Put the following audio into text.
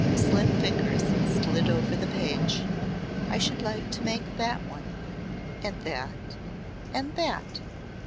The slim fingers slid over the page. "I should like to make that one and that and that."